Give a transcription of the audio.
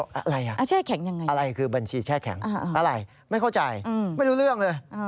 อะไรอ่ะแช่แข็งยังไงอะไรคือบัญชีแช่แข็งอะไรไม่เข้าใจไม่รู้เรื่องเลย